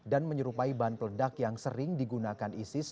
dan menyerupai bahan peledak yang sering digunakan isis